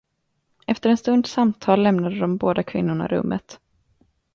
Efter en stunds samtal lämnade de båda kvinnorna rummet.